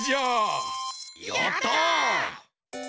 やった！